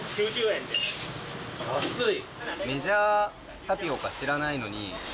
安い！